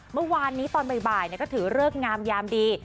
เมื่อวานนี้ตอนบ่ายก็ถือเลิกงามยามดี